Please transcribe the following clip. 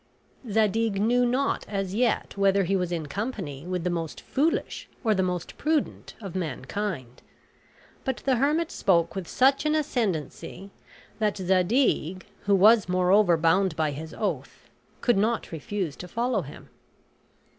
Zadig knew not as yet whether he was in company with the most foolish or the most prudent of mankind; but the hermit spoke with such an ascendancy, that Zadig, who was moreover bound by his oath, could not refuse to follow him.